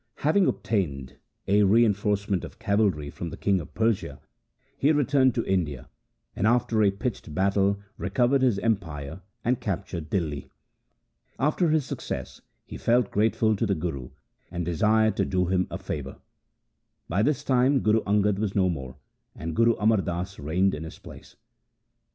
Having obtained a reinforce ment of cavalry from the king of Persia, he returned to India, and after a pitched battle recovered his empire and captured Dihli. After his success he felt grateful to the Guru and desired to do him a favour. By this time Guru Angad was no more, and Guru Amar Das reigned in his place.